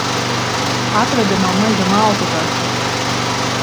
Atveda no meža malku taču.